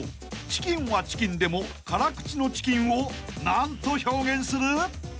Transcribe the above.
チキンはチキンでも辛口のチキンを何と表現する？］